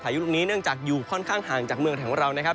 ยุลูกนี้เนื่องจากอยู่ค่อนข้างห่างจากเมืองไทยของเรานะครับ